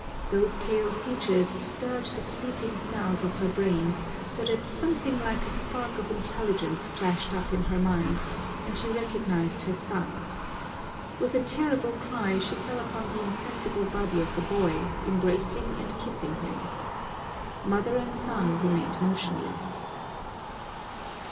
Those pale features stirred the sleeping cells of her brain, so that something like a spark of intelligence flashed up in her mind and she recognized her son. With a terrible cry she fell upon the insensible body of the boy, embracing and kissing him. Mother and son remained motionless.